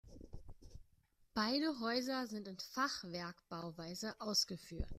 Beide Häuser sind in Fachwerkbauweise ausgeführt.